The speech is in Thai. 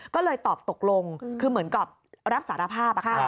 ก็เลยตอบตกลงคือเหมือนกับรับสารภาพ